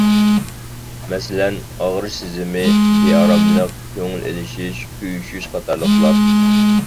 مەسىلەن، ئاغرىش سېزىمى، بىئاراملىق، كۆڭۈل ئېلىشىش، كۆيۈشۈش. قاتارلىقلار.